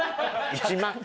１万。